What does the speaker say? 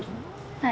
はい。